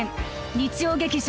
日曜劇場